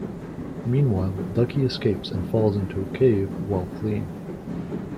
Meanwhile, Ducky escapes and falls into a cave while fleeing.